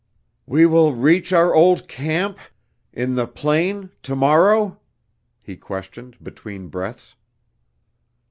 "We will reach our old camp in the plain to morrow?" he questioned, between breaths.